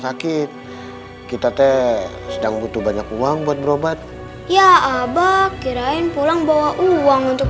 sakit kita teh sedang butuh banyak uang buat berobat ya abah kirain pulang bawa uang untuk